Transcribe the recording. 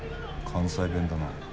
関西弁だな。